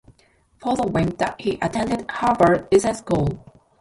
Following that he attended Harvard Business School.